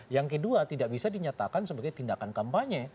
yang kedua tidak bisa dinyatakan sebagai tindakan kampanye